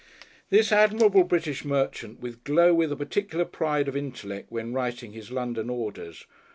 This admirable British merchant would glow with a particular pride of intellect when writing his London orders.